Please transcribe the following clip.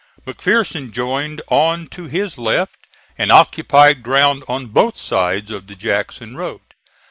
McPherson joined on to his left, and occupied ground on both sides of the Jackson road.